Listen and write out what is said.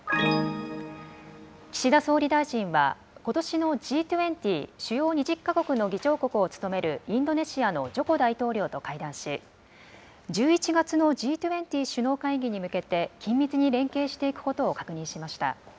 岸田総理大臣は、ことしのＧ２０・主要２０か国の議長国を務めるインドネシアのジョコ大統領と会談し、１１月のＧ２０首脳会議に向けて、緊密に連携していくことを確認しました。